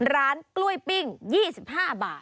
ร้านกล้วยปิ้ง๒๕บาท